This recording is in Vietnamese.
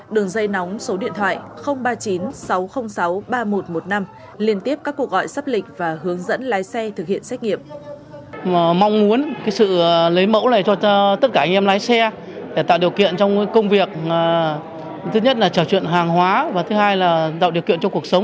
đường dây nóng số điện thoại ba mươi chín sáu trăm linh sáu ba nghìn một trăm một mươi năm liên tiếp các cuộc gọi sắp lịch và hướng dẫn lái xe thực hiện xét nghiệm